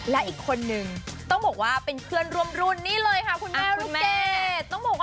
และอีกคนนึงต้องบอกว่าเป็นเพื่อนร่วมรุ่นนี่เลยค่ะคุณแม่ลูกเดช